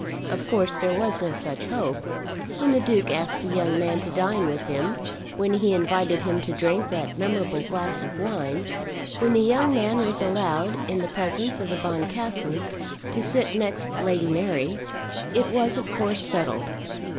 Of course there was no such hope. When the Duke asked the young man to dine with him, when he invited him to drink that memorable glass of wine, when the young man was allowed, in the presence of the Boncassens, to sit next Lady Mary, it was of course settled.